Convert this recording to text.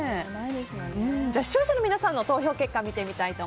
視聴者の皆さんの投票結果です。